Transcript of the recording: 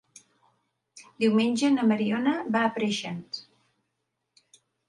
Diumenge na Mariona va a Preixens.